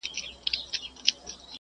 څېړنه په بریتانیا کې ترسره شوې ده.